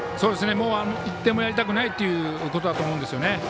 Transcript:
もう１点もやりたくないということだと思います。